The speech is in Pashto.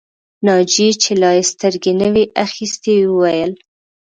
ناجيې چې لا يې سترګې نه وې اخيستې وویل